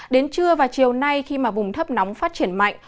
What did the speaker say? đến trưa và chiều nay khi mà vùng thấp nóng phát triển mạnh